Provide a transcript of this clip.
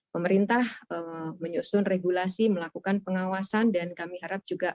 pemerintah menyusun regulasi melakukan pengawasan dan kami harap juga